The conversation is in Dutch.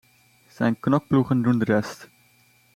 Zijn knokploegen doen de rest.